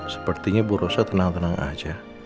sepertinya bu rosa tenang tenang aja